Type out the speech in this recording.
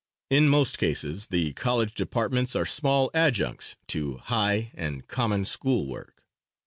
In most cases the college departments are small adjuncts to high and common school work.